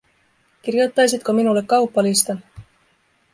Kirjoittaisitko minulle kauppalistan